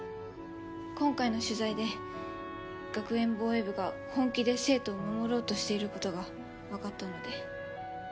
今回の取材で学園防衛部が本気で生徒を守ろうとしている事がわかったので。